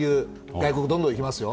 外国、どんどん行きますよ。